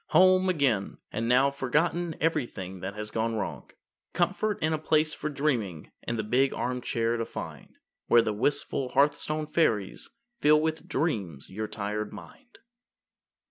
Home again! And now forgotten Everything that has gone wrong. Comfort and a place for dreaming In the big armchair to find Where the wistful hearthstone fairies Fill with dreams your tired mind.